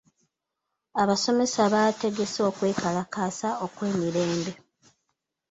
Abasomesa baategese okwekalakaasa okw'emirembe.